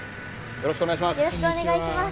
よろしくお願いします。